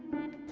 lo ada ada sih